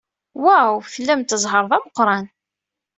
Waw! Tlamt zzheṛ d ameqran.